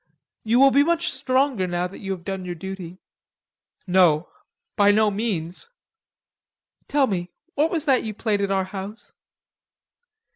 You will be much stronger now that you have done your duty." "No... by no means." "Tell me, what was that you played at our house?"